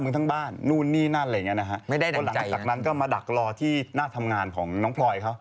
เพราะหลังจากนั้นก็มาดักรอที่หน้าทำงานของน้องพลอยเขา